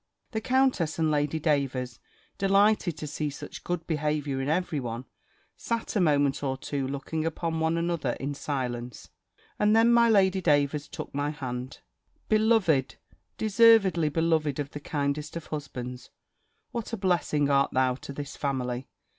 The countess and Lady Davers, delighted to see such good behaviour in every one, sat a moment or two looking upon one another in silence; and then my Lady Davers took my hand: "Beloved, deservedly beloved of the kindest of husbands, what a blessing art thou to this family!"